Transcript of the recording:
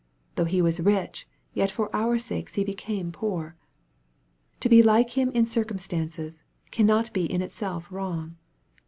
Though He was rich, yet for our sakes He became poor. To be like Him in circumstances, cannot be in itself wrong.